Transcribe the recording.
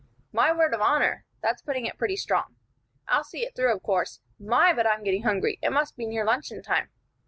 'My word of honor' that's putting it pretty strong. I'll see it through, of course. My, but I'm getting hungry! It must be near luncheon time."